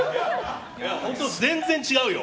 本当全然違うよ。